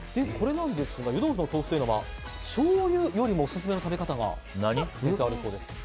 湯豆腐の豆腐というのはしょうゆよりもオススメの食べ方があるそうです。